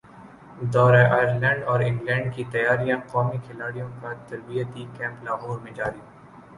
دورہ ائرلینڈ اور انگلینڈ کی تیاریاںقومی کھلاڑیوں کا تربیتی کیمپ لاہور میں جاری